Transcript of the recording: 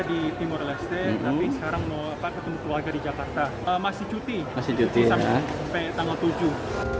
di timur leste tapi sekarang mau apa ketemu keluarga di jakarta masih cuti masih cuti sampai tanggal tujuh